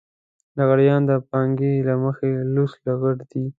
لغړيان د پانګې له مخې لوڅ لغړ دي.